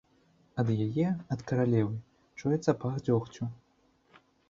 Ад яе, ад каралевы, чуецца пах дзёгцю.